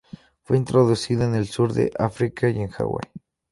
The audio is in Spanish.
Fue introducida en el sur de África y en Hawaii.